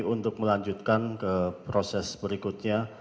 untuk melanjutkan ke proses berikutnya